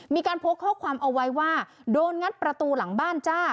มีการโพสต์ข้อความเอาไว้ว่าโดนงัดประตูหลังบ้านจ้า